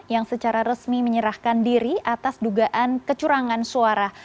yang secara resmi menyerahkan diri atas dugaan kecurangan suara